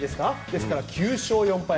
ですから９勝４敗